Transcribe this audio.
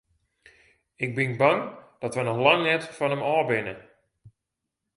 Ik bin bang dat wy noch lang net fan him ôf binne.